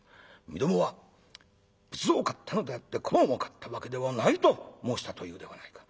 『みどもは仏像を買ったのであって小判を買ったわけではない』と申したというではないか。